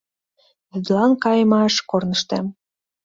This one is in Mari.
Вӱдлан кайымаш корныштем